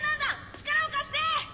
力を貸して！